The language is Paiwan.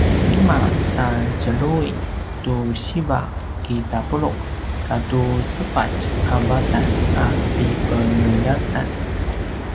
lima sa tjelju’i tu siva kitapulu’ katu sepatj a vatan a pipenuljatan